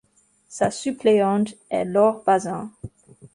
Sa suppléante est Laure Bazan.